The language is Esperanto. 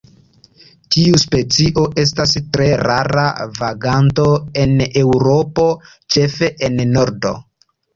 Tiu specio estas tre rara vaganto en Eŭropo ĉefe en nordo.